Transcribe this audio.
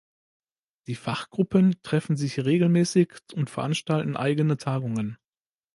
Die Fachgruppen treffen sich regelmäßig und veranstalten eigene Tagungen.